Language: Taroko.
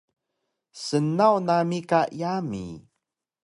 Snaw nami ka yami